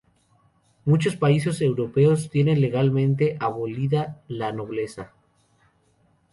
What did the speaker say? Muchos países europeos tienen legalmente abolida la nobleza.